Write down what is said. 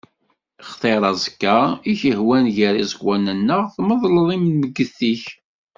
Xtiṛ aẓekka i k-ihwan gar iẓekwan-nneɣ tmeḍleḍ lmegget-ik.